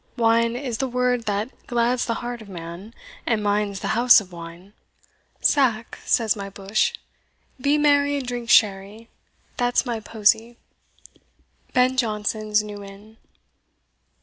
Wine is the word that glads the heart of man, And mine's the house of wine. Sack, says my bush, Be merry and drink Sherry, that's my posie. Ben Jonson's New Inn.